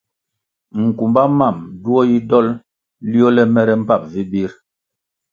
Nkumba mam ma duo yi dol liole mere mbpap vi bir.